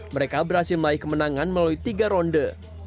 mereka berhasil meraih kemenangan melalui tiga ronde